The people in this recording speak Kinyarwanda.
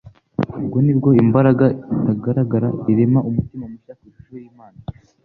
Ubwo nibwo imbaraga itagaragara irema umutima mushya ku ishusho y'Imana.